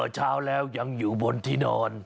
เช้าแล้วยังอยู่บนที่นอน